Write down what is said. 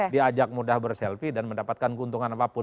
diajak mudah berselfie dan mendapatkan keuntungan apapun